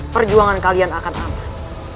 perjuangan kalian akan aman